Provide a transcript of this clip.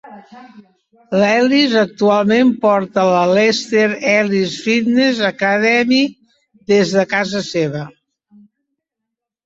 L'Ellis actualment porta la Lester Ellis Fitness Academy des de casa seva.